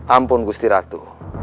ampun gusti ratu